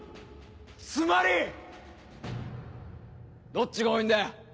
つまり！どっちが多いんだよ。